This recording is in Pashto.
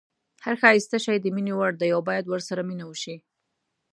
هر ښایسته شی د مینې وړ دی او باید ورسره مینه وشي.